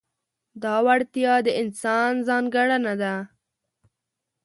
دا وړتیا د انسان ځانګړنه ده.